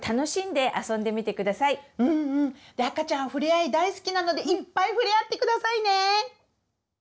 赤ちゃんふれあい大好きなのでいっぱいふれあってくださいね！